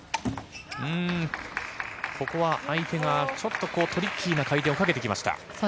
ここは相手がちょっとトリッキーな回転をかけてきました。